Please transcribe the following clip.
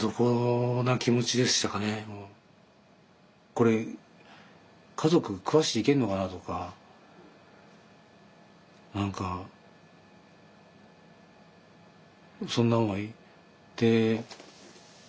これ家族食わしていけんのかなとか何かそんなでうんあの